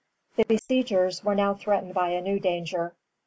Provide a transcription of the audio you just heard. ] The besiegers were now threatened by a new danger.